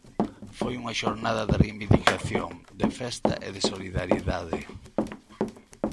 Foi unha xornada de reivindicación, de festa e de solidariedade.